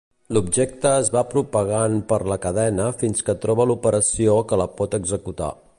L'objecte es va propagant per la cadena fins que troba l'operació que la pot executar.